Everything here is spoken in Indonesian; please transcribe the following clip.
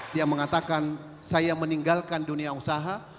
dia mengatakan saya meninggalkan dunia usaha